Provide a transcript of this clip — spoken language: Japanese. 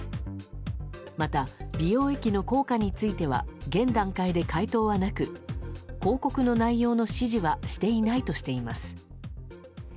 また、美容液の効果については現段階で回答はなく広告の内容の指示はしていないとしています。